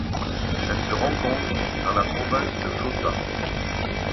Elle se rencontre dans la province de Chota.